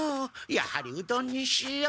やはりうどんにしよう。